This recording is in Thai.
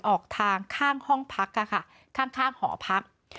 ออกทางข้างห้องพักค่ะข้างหอพัก